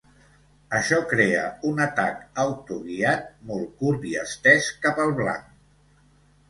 Això crea un atac autoguiat molt curt i estès cap al blanc.